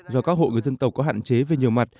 do các hộ người dân tộc có hạn chế về nhiều mặt